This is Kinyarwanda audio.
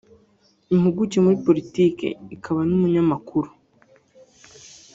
Impuguke muri Politiki akaba n’Umunyamakuru